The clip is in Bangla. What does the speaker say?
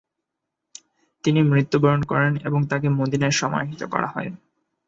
তিনি মৃত্যুবরণ করেন এবং তাকে মদীনায় সমাহিত করা হয়।